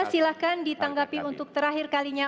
silahkan ditanggapi untuk terakhir kalinya